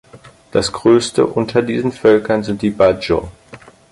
Das größte unter diesen Völkern sind die Bajau.